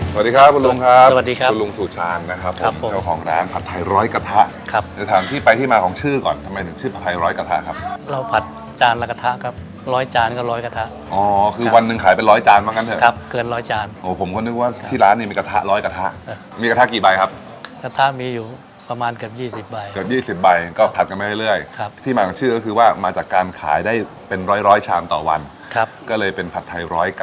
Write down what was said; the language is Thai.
สวัสดีครับคุณลุงครับสวัสดีครับคุณลุงสุชาญนะครับผมเจ้าของร้านผัดไทยร้อยกระทะครับจะถามที่ไปที่มาของชื่อก่อนทำไมถึงชื่อผัดไทยร้อยกระทะครับเราผัดจานละกระทะครับร้อยจานก็ร้อยกระทะอ๋อคือวันหนึ่งขายเป็นร้อยจานบ้างกันเถอะครับเกินร้อยจานผมก็นึกว่าที่ร้านนี้มีกระทะร้อยกระทะมีกระทะกี่ใบ